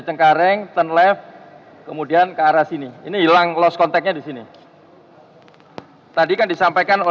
mungkin sementara itu yang tidak saya sampaikan